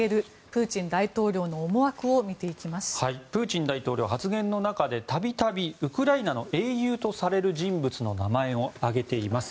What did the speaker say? プーチン大統領発言の中で、たびたびウクライナの英雄とされる人物の名前を挙げています。